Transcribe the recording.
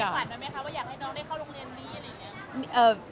ฝันไว้ไหมคะว่าอยากให้น้องได้เข้าโรงเรียนนี้อะไรอย่างนี้